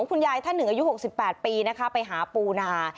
คุณยายท่านหนึ่งอายุ๖๘ปีนะคะไปหาปูนา